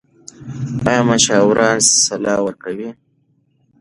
ایا مشاوران سلا ورکوي؟